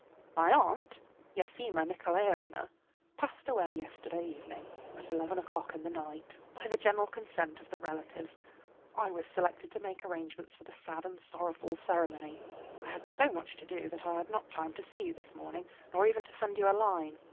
My aunt, Yefimya Nikolaevna, passed away yesterday evening at eleven o'clock in the night. By the general consent of the relatives I was selected to make the arrangements for the sad and sorrowful ceremony. I had so much to do that I had not time to see you this morning, nor even to send you a line.